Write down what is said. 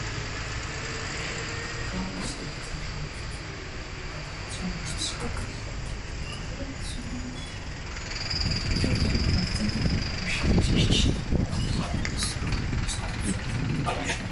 Քանդակը պատկերում է երեք մարդկային կերպար. հռոմեացու, սաբինուհու և սաբինացու։